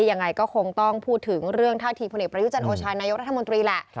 ยังไงก็คงต้องพูดถึงเรื่องท่าทีพลเอกประยุจันทร์โอชานายกรัฐมนตรีแหละ